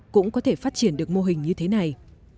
cũng có thể phát triển được mô hình như thế này